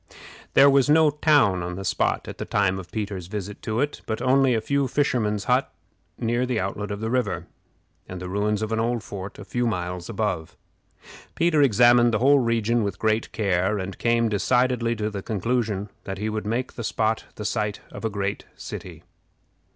There was no town on the spot at the time of Peter's visit to it, but only a few fishermen's huts near the outlet of the river, and the ruins of an old fort a few miles above. Peter examined the whole region with great care, and came decidedly to the conclusion that he would make the spot the site of a great city.